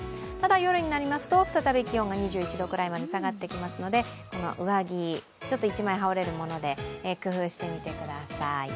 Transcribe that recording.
夜になると再び気温が２１度くらいまで下がってきますので上着、ちょっと１枚羽織れるもので工夫してみてください。